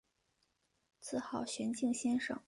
自号玄静先生。